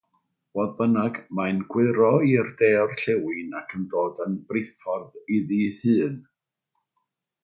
Fodd bynnag, yna mae'n gwyro i'r de-orllewin ac yn dod yn briffordd iddi'i hun.